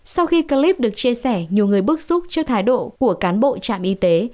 sau khi clip được chia sẻ nhiều người bức xúc trước thái độ của cán bộ trạm y tế